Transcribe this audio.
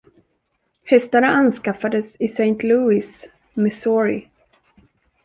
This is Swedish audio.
Hästarna anskaffades i Saint Louis, Missouri.